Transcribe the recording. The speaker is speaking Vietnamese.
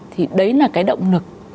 thì đấy là cái động lực